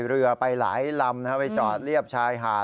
เรือไปหลายลำไปจอดเรียบชายหาด